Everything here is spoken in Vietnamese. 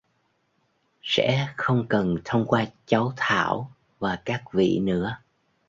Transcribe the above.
sẽ không cần thông qua cháu Thảo và các vị nữa